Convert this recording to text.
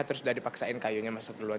terus udah dipaksain kayunya masuk duluan